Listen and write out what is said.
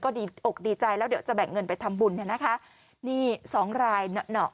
ดีอกดีใจแล้วเดี๋ยวจะแบ่งเงินไปทำบุญเนี่ยนะคะนี่สองรายเหนาะ